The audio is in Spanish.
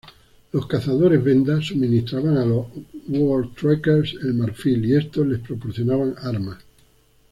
Los cazadores venda suministraban a los voortrekkers el marfil, y estos les proporcionaban armas.